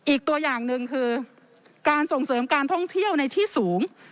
อีกตัวอย่างหนึ่งคือการส่งเสริมการท่องเที่ยวในที่สูง